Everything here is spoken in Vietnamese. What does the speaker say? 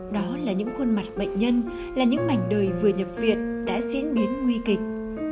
đó là những khuôn mặt bệnh nhân là những mảnh đời vừa nhập viện đã diễn biến nguy kịch